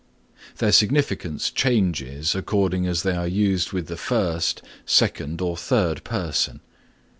Their significance changes according as they are used with the first, second or third person.